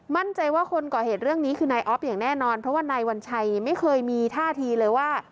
มั่นใจว่าคนก่อเหตุเรื่องนี้คือนายออฟอย่างแน่นอนเพราะว่านายวัญชัยไม่เคยมีท่าทีเลยว่า